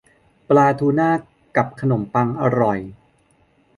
ปลาทูน่ากับขนมปังอร่อย